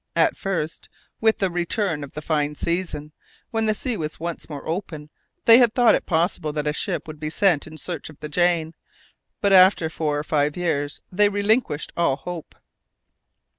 At first, with the return of the fine season, when the sea was once more open, they had thought it possible that a ship would be sent in search of the Jane. But after four or five years they relinquished all hope.